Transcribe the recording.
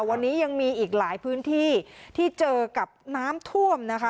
วันนี้ยังมีอีกหลายพื้นที่ที่เจอกับน้ำท่วมนะคะ